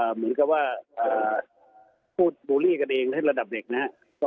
เหมือนกับว่าพูดบูลลี่กันเองให้ระดับเด็กนะครับ